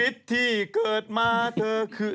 ชีวิตที่เกิดมาเธอคือ